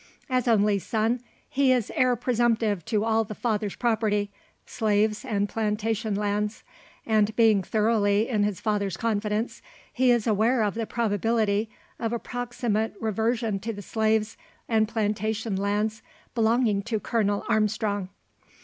As only son, he is heir presumptive to all the father's property slaves and plantation lands; and, being thoroughly in his father's confidence, he is aware of the probability of a proximate reversion to the slaves and plantation lands belonging to Colonel Armstrong.